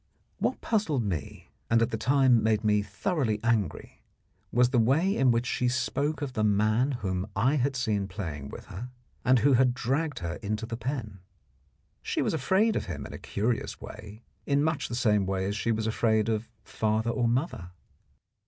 What puzzled me, and at the time made me thoroughly angry, was the way in which she spoke of the man whom I had seen playing with her, and who had dragged her into the pen. She was afraid of him in a curious way in much the same way as she was afraid of father or mother.